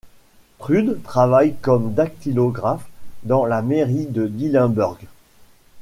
Trude travaille comme dactylographe dans la mairie de Dillenburg.